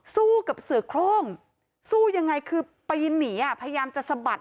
สู้กับเสือโครงสู้ยังไงคือปีนหนีอ่ะพยายามจะสะบัด